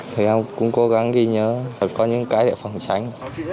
thì em cũng cố gắng ghi nhớ và có những cái để phòng tránh